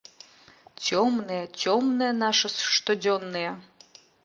Цёмныя, цёмныя нашы штодзённыя.